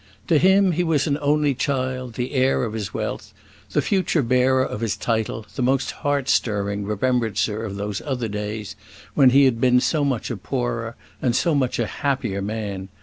To him he was an only child, the heir of his wealth, the future bearer of his title; the most heart stirring remembrancer of those other days, when he had been so much a poorer, and so much a happier man.